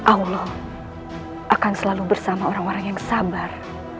allah akan selalu bersama orang orang yang sabar